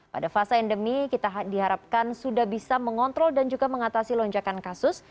pada fase endemi kita diharapkan sudah bisa mengontrol dan juga mengatasi lonjakan kasus